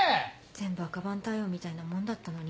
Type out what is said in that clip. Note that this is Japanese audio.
全部赤番対応みたいなもんだったのに。